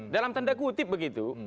dalam tanda kutip begitu